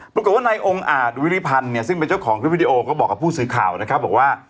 ปรากฏว่าในองค์อ่าดวิริพันธ์ซึ่งเป็นเจ้าของคลิปวิดีโอก็บอกกับผู้สือข่าว